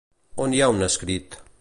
On hi ha un escrit?